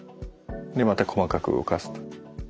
でまた細かく動かすと。